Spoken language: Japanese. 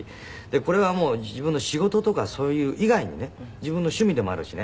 これはもう自分の仕事とかそういう以外にね自分の趣味でもあるしね。